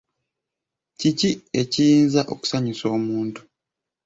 Kiki ekiyinza okusanyusa omuntu?